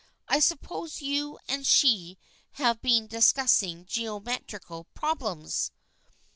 I suppose you and she have been discussing geometrical problems."